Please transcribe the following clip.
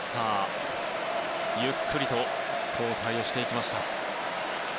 ゆっくりと交代をしていきました。